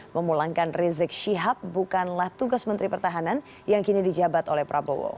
memulangkan rizik syihab bukanlah tugas menteri pertahanan yang kini dijabat oleh prabowo